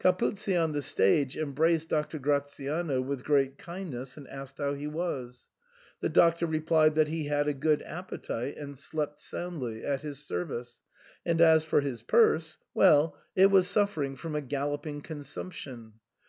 Capuzzi on the stage embraced Doctor Gratiano with great kindness, and asked how he was. The Doctor replied that he had a good appetite, and slept soundly, at his service {per servirld) ; and as for his purse — well, it was suffering from a galloping consumption.